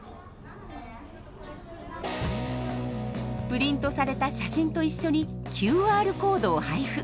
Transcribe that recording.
プリントされた写真と一緒にＱＲコードを配布。